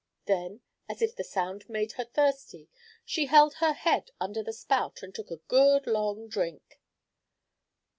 Then, as if the sound made her thirsty, she held her head under the spout, and took a good long drink.